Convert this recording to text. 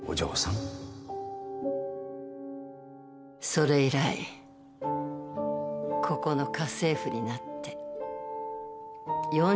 それ以来ここの家政婦になって４０年尽くしてきた。